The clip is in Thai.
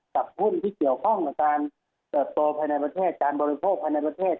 หุ้นที่เกี่ยวข้องกับการเติบโตภายในประเทศการบริโภคภายในประเทศ